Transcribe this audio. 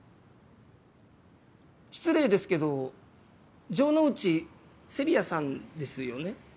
失礼ですけど城ノ内聖里矢さんですよね？